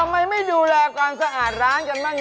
ทำไมไม่ดูแลความสะอาดร้านกันบ้างเนี่ย